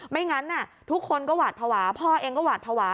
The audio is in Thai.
ไม่งั้นทุกคนก็หวาดภาวะพ่อเองก็หวาดภาวะ